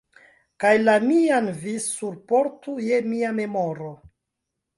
kaj la mian vi surportu je mia memoro.